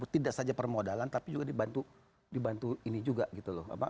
tidak saja permodalan tapi juga dibantu ini juga gitu loh